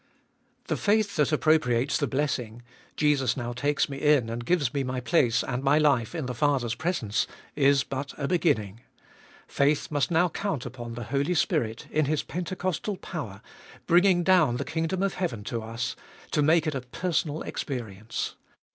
2. The faith that appropriates the blessing— Jesus now takes me in and gives me my place and my life in the Father's presence, is but a beginning. Faith must now count upon the Holy Spirit, in His Pentecostal power, bringing down the kingdom of heaven to us, to make it a personal experience.